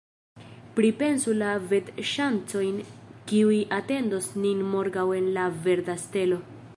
Pripensu la vetŝancojn, kiuj atendos nin morgaŭ en La Verda Stelo!